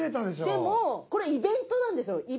でもこれイベントなんですよ。